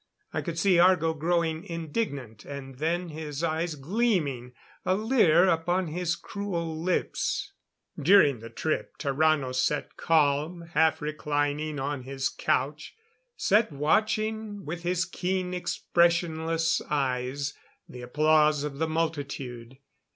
I could see Argo growing indignant and then his eyes gleaming, a leer upon his cruel lips. During the trip Tarrano sat calm, half reclining on his couch sat watching with his keen expressionless eyes the applause of the multitude.